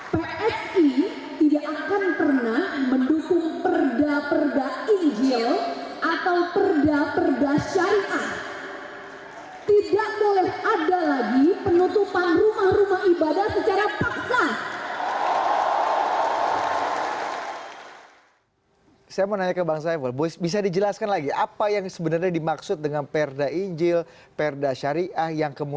psi tidak akan pernah mendukung perda perda igil atau perda perda syariah